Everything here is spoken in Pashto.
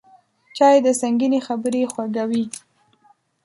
چای د سنګینې خبرې خوږوي